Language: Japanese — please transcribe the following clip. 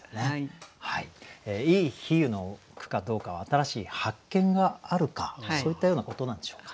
いい比喩の句かどうかは新しい発見があるかそういったようなことなんでしょうか？